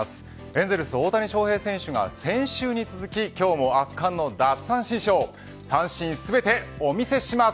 エンゼルス大谷翔平選手が先週に続き今日も圧巻の奪三振ショー。